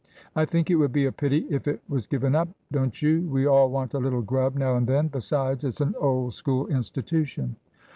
"I think it would be a pity if it was given up; don't you? We all want a little grub now and then; besides, it's an old School institution."